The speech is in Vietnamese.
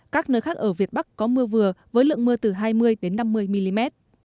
các nơi khác ở việt bắc có mưa vừa với lượng mưa từ hai mươi năm mươi mm